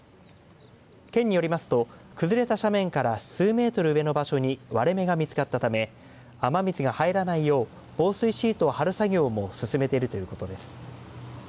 県によりますと、崩れた斜面から数メートル上の場所に割れ目が見つかったため雨水が入らないよう防水シートを張る作業も進めているということです。